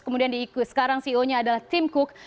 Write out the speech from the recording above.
kemudian sekarang ceo nya adalah tim cook